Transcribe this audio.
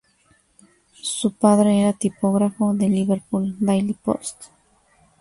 Su padre era tipógrafo del Liverpool Daily Post.